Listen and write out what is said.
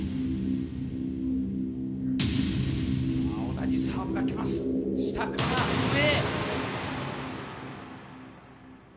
同じサーブがきます、下から上。